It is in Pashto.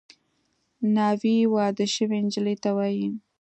ناوې واده شوې نجلۍ ته وايي